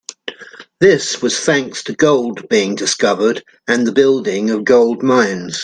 This was thanks to gold being discovered and the building of gold mines.